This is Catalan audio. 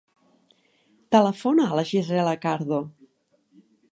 Telefona a la Gisela Cardo.